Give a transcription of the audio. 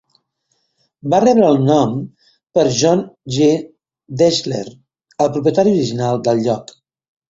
Va rebre el nom per John G. Deshler, el propietari original del lloc.